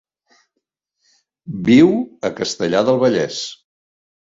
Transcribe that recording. Viu a Castellar del Vallès.